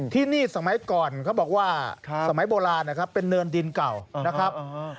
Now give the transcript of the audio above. ที่นี่สมัยก่อนเขาบอกว่าสมัยโบราณนะครับเป็นเนินดินเก่านะครับ